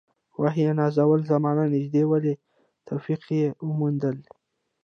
وحي نزول زمان نژدې والی توفیق موندلي.